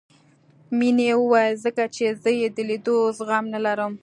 مينې وويل ځکه چې زه يې د ليدو زغم نه لرم.